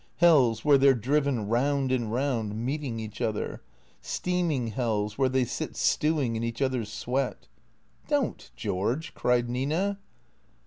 Hells where they 're driven round and round, meeting each other. Steaming hells where they sit stewing in each other's sweat "" Don't, George !" cried Nina.